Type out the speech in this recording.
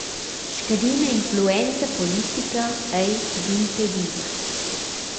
Scadina influenza politica ei d’impedir.»